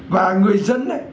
và người dân